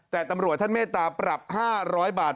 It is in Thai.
แต่ตำรวจท่านเมตตาปรับ๕๐๐บาท